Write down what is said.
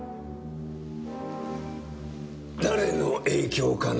誰の影響かな？